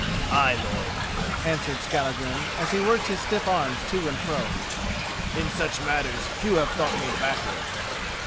"Ay, lord," answered Skallagrim as he worked his stiff arms to and fro. "In such matters few have thought me backward."